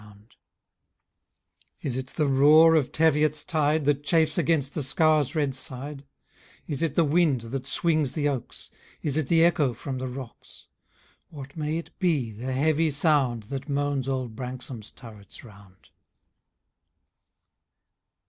35 Is it the roar of Teviot^s tide. That chafes against the scaur V red side ? Is it the wind, that swings the oaks ? Is it the echo from the rocks ? What may it be, the heavy sound. That moans old Branksome^s turrets round